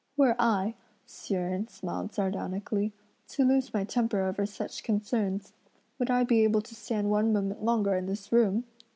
"Were I," Hsi Jen smiled sardonically, "to lose my temper over such concerns, would I be able to stand one moment longer in this room?